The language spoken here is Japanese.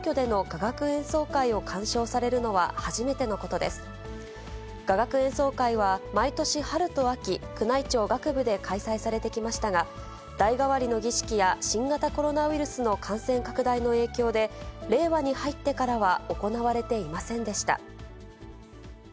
雅楽演奏会は毎年春と秋、宮内庁楽部で開催されてきましたが、代替わりの儀式や、新型コロナウイルスの感染拡大の影響で、令和に入ってからは行われていませんでした。